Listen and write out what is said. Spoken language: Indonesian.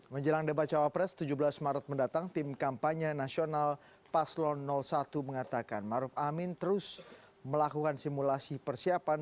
menjelang debat cawapres tujuh belas maret mendatang tim kampanye nasional paslon satu mengatakan maruf amin terus melakukan simulasi persiapan